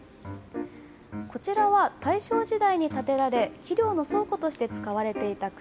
こちらは、大正時代に建てられ、肥料の倉庫として使われていた蔵。